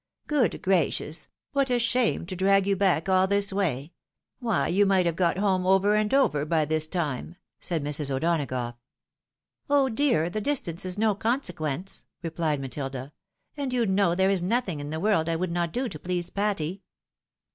" Good gracious ! what a sharne to drag you back all this way ! why you might have got home over and over by this time," said Mrs. O'Donagough. " Oh, dear ! the distance is no consequence," replied Ma tUda ;" and you know there is nothing in the world I would not do to please Patty